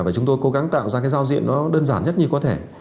và chúng tôi cố gắng tạo ra cái giao diện nó đơn giản nhất như có thể